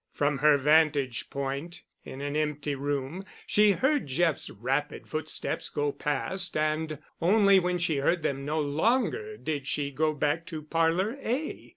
From her vantage point—in an empty room—she heard Jeff's rapid footsteps go past, and only when she heard them no longer did she go back to Parlor A.